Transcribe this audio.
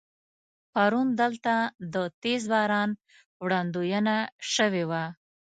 پرون دلته د تیز باران وړاندوينه شوې وه.